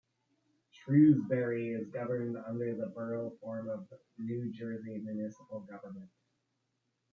Shrewsbury is governed under the Borough form of New Jersey municipal government.